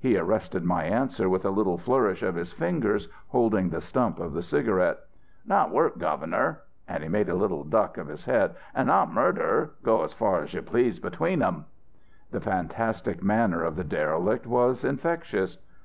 "He arrested my answer with the little flourish of his fingers holding the stump of the cigarette. "'Not work, Governor,' and he made a little duck of his head, 'and not murder.... Go as far as you please between 'em.' "The fantastic manner of the derelict was infectious.